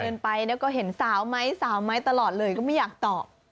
เดินไปแล้วก็เห็นสาวไหมสาวไหมตลอดเลยก็ไม่อยากตอบ